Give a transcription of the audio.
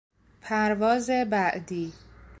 پرواز بعدی